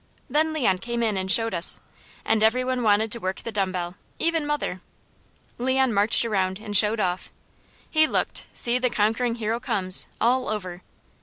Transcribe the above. Then Leon came in and showed us, and every one wanted to work the dumb bell, even mother. Leon marched around and showed off; he looked "See the conquering hero comes," all over.